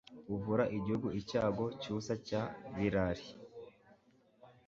Uvura igihugu icyago cyusa cya Birari